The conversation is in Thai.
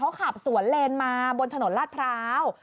เขาขับสวนเลนมาบนถนนลาดพร้าว